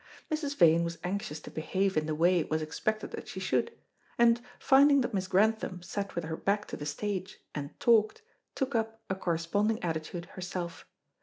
Mrs. Vane was anxious to behave in the way it was expected that she should, and, finding that Miss Grantham sat with her back to the stage and talked, took up a corresponding attitude herself.